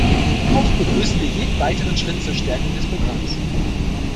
Auch begrüßen wir jeden weiteren Schritt zur Stärkung des Programms.